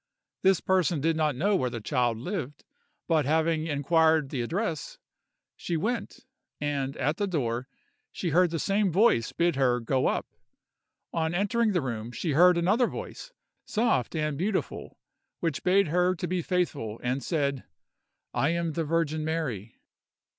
This person did not know where the child lived, but having inquired the address, she went: and at the door she heard the same voice bid her go up. On entering the room she heard another voice, soft and beautiful, which bade her be faithful, and said, "I am the Virgin Mary."